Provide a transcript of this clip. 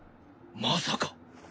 まさか！？